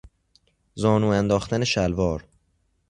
زانو انداختن شلوار